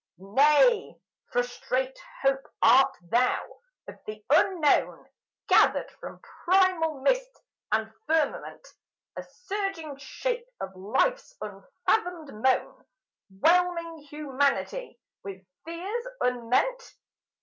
Nay, frustrate Hope art thou, of the Unknown, Gathered from primal mist and firmament; A surging shape of Life's unfathomed moan, Whelming humanity with fears unmeant.